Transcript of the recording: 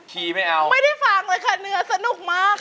ไม่เอาไม่ได้ฟังเลยค่ะเนื้อสนุกมาก